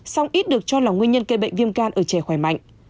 song ít được cho là nguyên nhân gây bệnh viêm gan ở trẻ khỏe mạnh